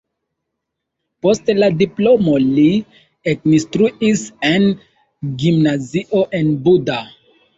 Post la diplomo li ekinstruis en gimnazio en Buda.